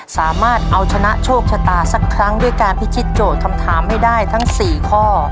สามารถเอาชนะโชคชะตาสักครั้งด้วยการพิชิตโจทย์คำถามให้ได้ทั้ง๔ข้อ